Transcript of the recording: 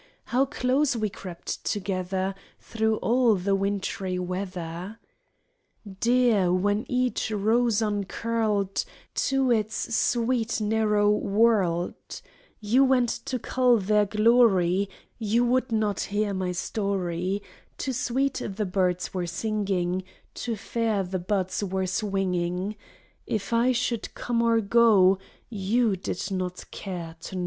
How close we crept together, Through all the wintry weather ! Dear, when each rose uncurled To its sweet narrow world, You went to cull their glory ; You would not hear my story, Too sweet the birds were singing, Too fair the buds were swinging : If I should come or go You did not care to know.